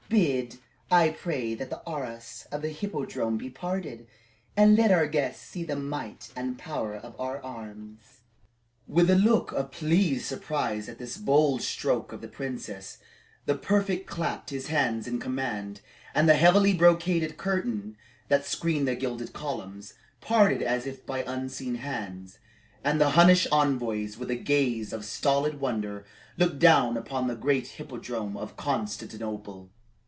Bid, I pray, that the arras of the Hippodrome be parted, and let our guests see the might and power of our arms." With a look of pleased surprise at this bold stroke of the Princess, the prefect clapped his hands in command, and the heavily brocaded curtain that screened the gilded columns parted as if by unseen hands, and the Hunnish envoys, with a gaze of stolid wonder, looked down upon the great Hippodrome of Constantinople.